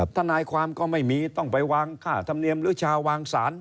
ทนายความก็ไม่มีต้องไปวางค่าธรรมเนียมหรือชาวางสาร